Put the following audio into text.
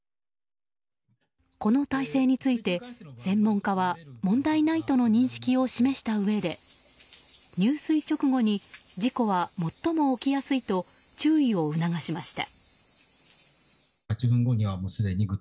この態勢について専門家は問題ないとの認識を示したうえで入水直後に事故は最も起きやすいと注意を促しました。